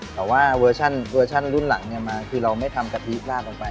แต่ว่าเวอร์ชั่นรุ่นหลังมาคือเราไม่ทำกะทิราดลงไป